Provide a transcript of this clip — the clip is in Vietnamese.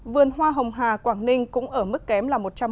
vườn hoa hồng hà quảng ninh cũng ở mức kém một trăm một mươi chín